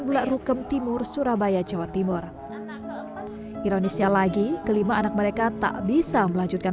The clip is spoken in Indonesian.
bulak rukem timur surabaya jawa timur ironisnya lagi kelima anak mereka tak bisa melanjutkan